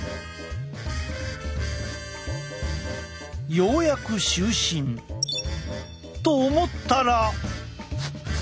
ようやく就寝。と思ったら。